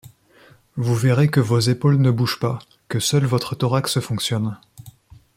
Vous verrez que vos épaules ne bougent pas, que seul votre thorax fonctionne.